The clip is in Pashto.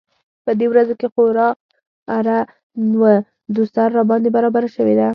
په دې ورځو کې خورا اره و دوسره راباندې برابره شوې ده.